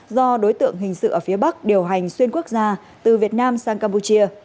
do đối tượng hình sự ở phía bắc điều hành xuyên quốc gia từ việt nam sang campuchia